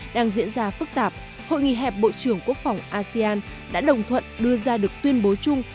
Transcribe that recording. đang diễn ra phức tạp hội nghị hẹp bộ trưởng quốc phòng asean đã đồng thuận đưa ra được tuyên bố chung